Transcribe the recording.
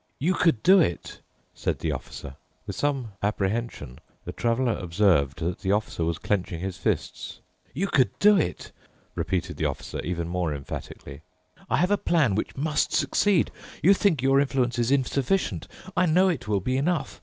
"You could do it," said the Officer. With some apprehension the Traveler observed that the Officer was clenching his fists. "You could do it," repeated the Officer, even more emphatically. "I have a plan which must succeed. You think your influence is insufficient. I know it will be enough.